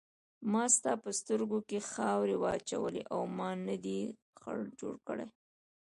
ما ستا په سترګو کې خاورې واچولې او ما نه دې خر جوړ کړ.